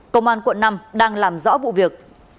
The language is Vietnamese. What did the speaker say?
công an quận năm đang làm rõ vụ việc